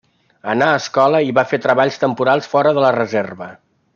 Anà a escola i va fer treballs temporals fora de la reserva.